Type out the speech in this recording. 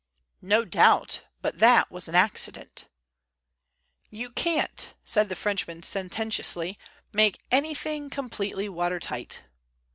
"No doubt, but that was an accident." "You can't," said the Frenchman sententiously, "make anything completely watertight."